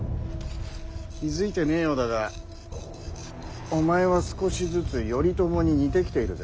気付いてねえようだがお前は少しずつ頼朝に似てきているぜ。